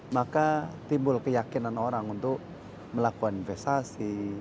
maka timbul keyakinan orang untuk melakukan investasi